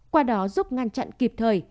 qua đó giúp ngăn chặn kịp thời